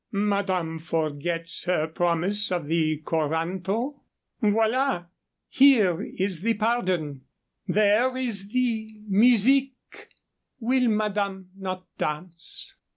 "Madame forgets her promise of the coranto. Voilà! Here is the pardon. There is the musique. Will madame not dance?"